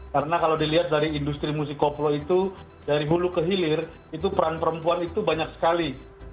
karena kalau dilihat dari industri musik koplo itu dari bulu ke hilir itu peran perempuan itu banyak sekali